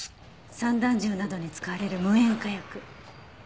散弾銃などに使われる無煙火薬。